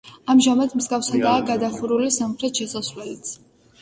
ამჟამად მსგავსადაა გადახურული სამხრეთ შესასვლელიც.